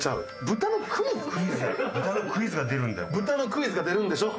豚のクイズが出るんでしょ？